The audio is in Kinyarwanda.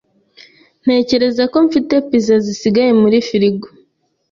Ntekereza ko mfite pizza zisigaye muri frigo.